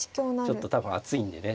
ちょっと多分暑いんでね